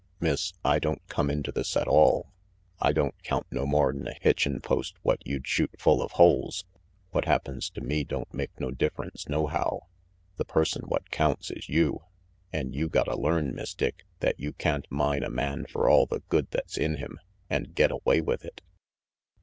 Miss, I don't come into this at all. I don't count no more'n a hitchin' post what you'd shoot full of holes. What happens to me don't make no difference nohow. The person what counts is you and you gotta learn, Miss Dick, that you can't mine a man fer all the good that's in him, an' get away with it.